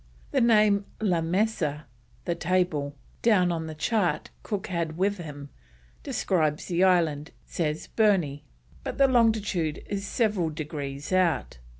The name La Mesa (the table) down on the chart Cook had with him, describes the island, says Burney, but the longitude is several degrees out.